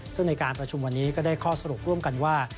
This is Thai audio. ซึ่งในการประชุมวันนี้ก็ได้ข้อสรุปร่วมกันว่า